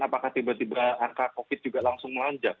apakah tiba tiba angka covid juga langsung melonjak